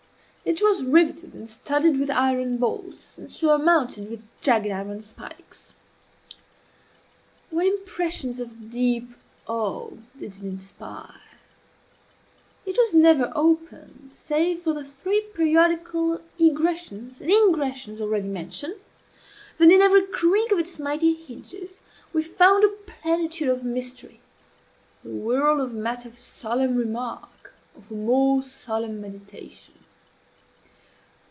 It was riveted and studded with iron bolts, and surmounted with jagged iron spikes. What impressions of deep awe did it inspire! It was never opened save for the three periodical egressions and ingressions already mentioned; then, in every creak of its mighty hinges, we found a plenitude of mystery a world of matter for solemn remark, or for more solemn meditation.